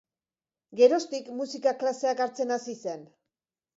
Geroztik musika klaseak hartzen hasi zen.